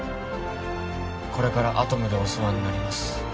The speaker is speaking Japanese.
これからアトムでお世話になります